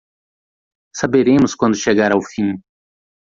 Saberemos quando chegar ao fim